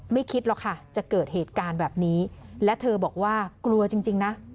คิดหรอกค่ะจะเกิดเหตุการณ์แบบนี้และเธอบอกว่ากลัวจริงจริงนะ